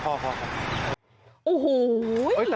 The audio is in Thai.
ไหลเที่ยวแล้ว